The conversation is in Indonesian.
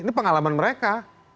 ini pengalaman mereka